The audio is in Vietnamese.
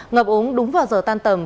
ngập úng đúng vào giờ tan tầm